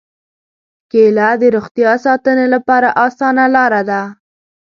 کېله د روغتیا ساتنې لپاره اسانه لاره ده.